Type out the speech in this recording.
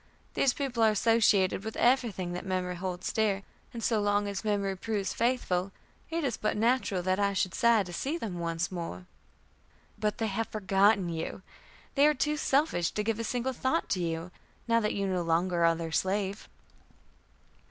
These people are associated with everything that memory holds dear, and so long as memory proves faithful, it is but natural that I should sigh to see them once more." "But they have forgotten you. They are too selfish to give a single thought to you, now that you no longer are their slave."